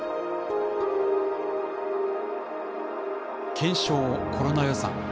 「検証コロナ予算」。